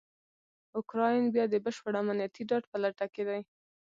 اوکرایین بیا دبشپړامنیتي ډاډ په لټه کې دی.